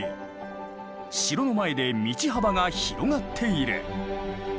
城の前で道幅が広がっている。